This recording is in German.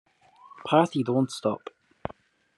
Party Don't Stop!